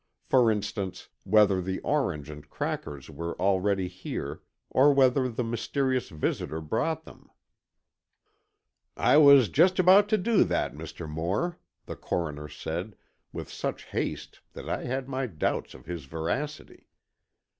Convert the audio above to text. For instance, whether the orange and crackers were already here, or whether the mysterious visitor brought them." "I was just about to do that, Mr. Moore," the Coroner said, with such haste that I had my doubts of his veracity.